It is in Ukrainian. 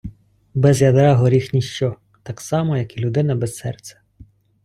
Без ядра горіх ніщо, так само як і людина без серця.